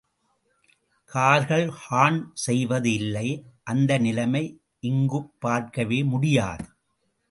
கார்கள் ஹார்ன் செய்வது இல்லை அந்த நிலைமை இங்குப் பார்க்கவே முடியாது.